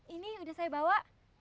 ini udah saya bawa